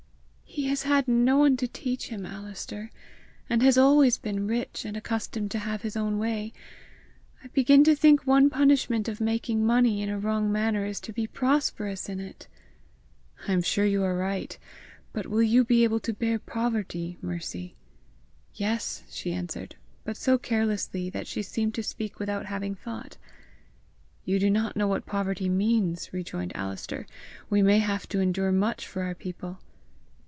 "He has had no one to teach him, Alister! and has always been rich, and accustomed to have his own way! I begin to think one punishment of making money in a wrong manner is to be prosperous in it!" "I am sure you are right! But will you be able to bear poverty, Mercy?" "Yes," she answered, but so carelessly that she seemed to speak without having thought. "You do not know what poverty means!" rejoined Alister. "We may have to endure much for our people!"